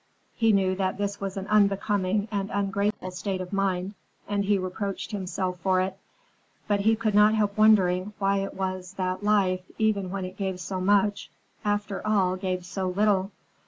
He knew that this was an unbecoming and ungrateful state of mind, and he reproached himself for it. But he could not help wondering why it was that life, even when it gave so much, after all gave so little.